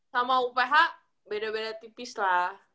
sama uph beda beda tipis lah